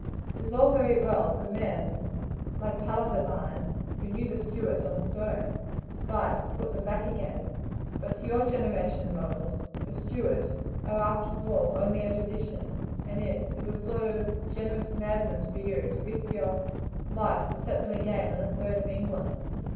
It is all very well for men like Tullibardine, who knew the Stuarts on the throne, to fight to put them back again; but to your generation, Ronald, the Stuarts are after all only a tradition, and it is a sort of generous madness for you to risk your life to set them again on the throne of England.